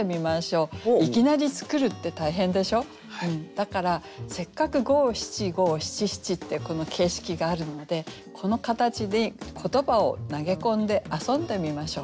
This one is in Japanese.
だからせっかく五七五七七ってこの形式があるのでこの形に言葉を投げ込んで遊んでみましょう。